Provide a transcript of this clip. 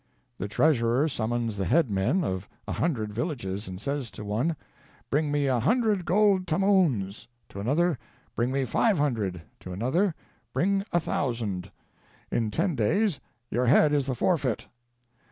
The Treasurer summons the head men of a hundred villages, and says to one : "Bring me a hundred gold tomauns." To another, "Bring me five hundred;" to another, "Bring a thousand. In ten days. Your head is the forfeit."